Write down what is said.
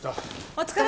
お疲れ！